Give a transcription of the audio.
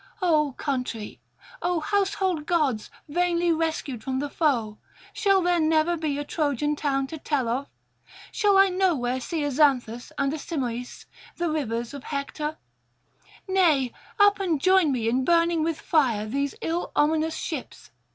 O country, O household gods vainly rescued from the foe! shall there never be a Trojan town to tell of? shall I nowhere see a Xanthus and a Simoïs, the rivers of Hector? Nay, up and join me in burning with fire these ill ominous ships.